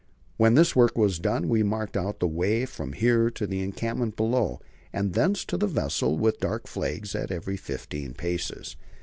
When this work was done, we marked out the way from here to the encampment below and thence to the vessel with dark flags at every fifteen paces.